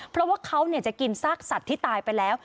เพราะว่าเขาจะกินซากสัตว์ที่ตายไปแล้ว